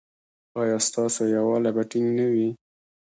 ایا ستاسو یووالي به ټینګ نه وي؟